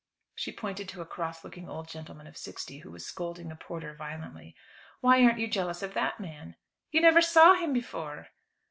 She pointed to a cross looking old gentleman of sixty, who was scolding a porter violently. "Why aren't you jealous of that man?" "You never saw him before."